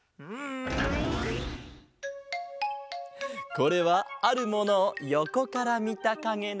これはあるものをよこからみたかげだ。